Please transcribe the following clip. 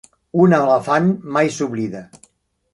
Un elefant mai s'oblida.